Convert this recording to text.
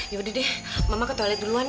yaudah deh mama ke toilet duluan